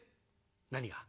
「何が？」。